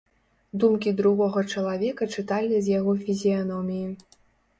Думкі другога чалавека чыталі з яго фізіяноміі.